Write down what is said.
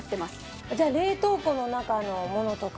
じゃあ冷凍庫の中のものとか。